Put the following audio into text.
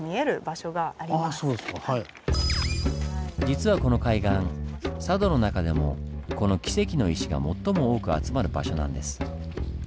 実はこの海岸佐渡の中でもこのキセキの石が最も多く集まる場所なんです。